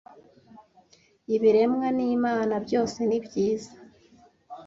ibiremwa n'imana byose nibyiza